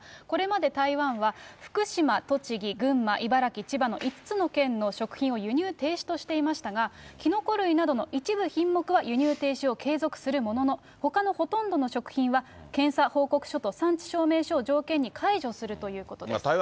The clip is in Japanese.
これまで台湾は福島、栃木、群馬、茨城、千葉の５つの県の食品を輸入停止としていましたが、キノコ類などの一部品目は輸入停止を継続するものの、ほかのほとんどの食品は、検査報告書と産地証明書を条件に解除するということです。